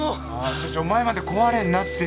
ちょお前まで壊れるなって。